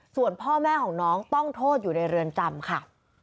ส่วนพ่อแม่ของน้องต้องโทษอยู่ในเรือนจำค่ะ